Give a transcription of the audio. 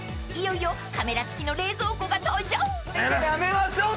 ［いよいよカメラ付きの冷蔵庫が登場！］